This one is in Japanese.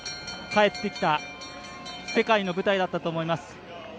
帰ってきた世界の舞台だったと思います。